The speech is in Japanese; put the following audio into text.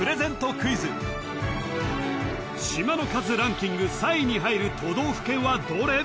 クイズ島の数ランキング３位に入る都道府県はどれ？